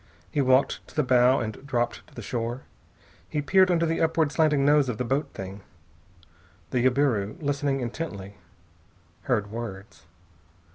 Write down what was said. He walked to the bow and dropped to the shore. He peered under the upward slanting nose of the boat thing. The jabiru, listening intently, heard words.